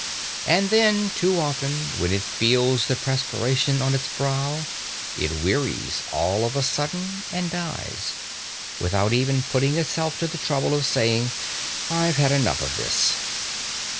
And then, too often, when it feels the perspiration on its brow, it wearies all of a sudden and dies, without even putting itself to the trouble of saying, "I've had enough of this."